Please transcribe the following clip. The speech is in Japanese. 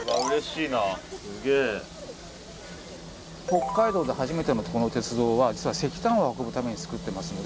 北海道で初めてのこの鉄道は実は石炭を運ぶためにつくってますので。